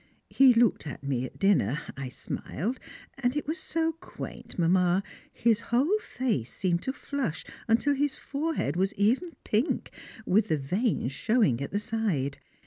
He looked at me at dinner, I smiled, and it was so quaint, Mamma, his whole face seemed to flush until his forehead was even pink, with the veins showing at the side.